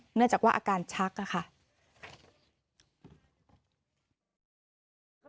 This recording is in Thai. เนื่องจากว่าอาการชักค่ะ